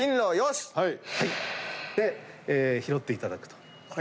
拾っていただくと。